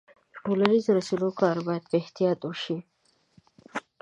د ټولنیزو رسنیو کار باید په احتیاط وشي.